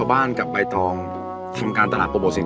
คำก็ใบตองสอบคำก็ใบตอง